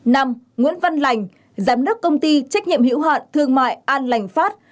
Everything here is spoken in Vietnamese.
năm nguyễn văn lành giám đốc công ty trách nhiệm hiểu hạn thương mại an lành phát